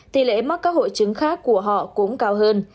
tỷ lệ mắc các hội chứng khác của họ cũng cao hơn